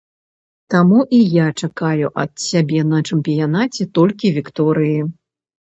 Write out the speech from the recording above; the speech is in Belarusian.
Таму і я чакаю ад сябе на чэмпіянаце толькі вікторыі.